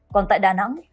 còn tại đà nẵng